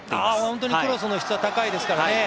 本当にクロスの質は高いですからね。